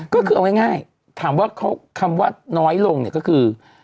ก็คือเอาง่ายถามว่าคำว่าน้อยลงเนี่ยก็คือ